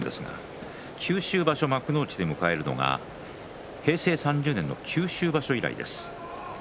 それ以上に九州場所、幕内で迎えるのが平成３０年の九州場所以来です。